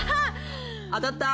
当たった！